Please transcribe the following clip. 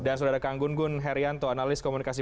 dan sudah ada kang gunggun herianto analis komunikasi